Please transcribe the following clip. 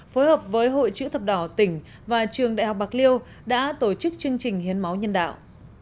phối hợp với hội chữ thập đỏ tỉnh và trường đại học bạc liêu đã tổ chức chương trình hiến máu nhân đạo